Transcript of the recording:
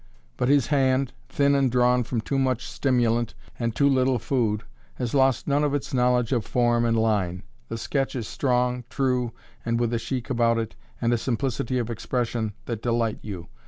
But his hand, thin and drawn from too much stimulant and too little food, has lost none of its knowledge of form and line; the sketch is strong, true, and with a chic about it and a simplicity of expression that delight you.